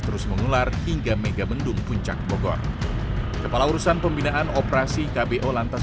terus mengular hingga megamendung puncak bogor kepala urusan pembinaan operasi kbo lantas